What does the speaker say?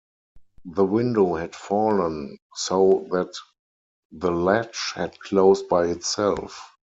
The window had fallen so that the latch had closed by itself.